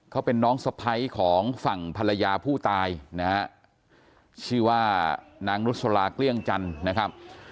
เขาเป็นน้องสะพ้ายของฝั่งภรรยาผู้ตายนะฮะชื่อว่านางนุษลาเกลี้ยงจันทร์นะครับ